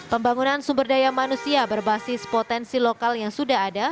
pembangunan sumber daya manusia berbasis potensi lokal yang sudah ada